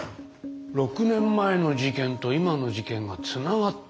６年前の事件と今の事件がつながったか。